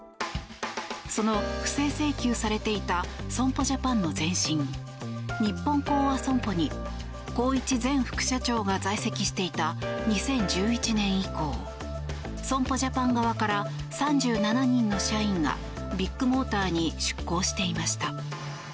その不正請求されていた損保ジャパンの前身日本興亜損保に宏一前副社長が在籍していた２０１１年以降損保ジャパン側から３７人の社員がビッグモーターに出向していました。